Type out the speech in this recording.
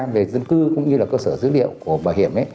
về dân cư cũng như là cơ sở dữ liệu của bảo hiểm ấy